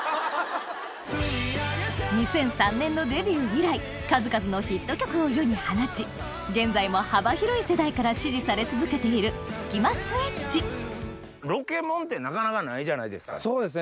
２００３年のデビュー以来数々のヒット曲を世に放ち現在も幅広い世代から支持され続けているそうですね